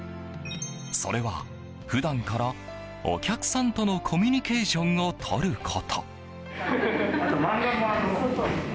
それは、普段からお客さんとのコミュニケーションをとること。